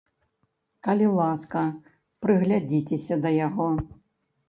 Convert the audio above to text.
Калі ласка, прыглядзіцеся да яго.